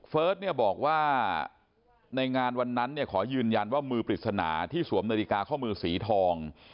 เฟิร์สเนี่ยบอกว่าในงานวันนั้นเนี่ยขอยืนยันว่ามือปริศนาที่สวมนาฬิกาข้อมือสีทอง